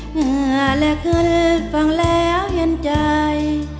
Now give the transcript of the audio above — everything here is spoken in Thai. เหงื่อและเกิดฟังแล้วเห็นใจ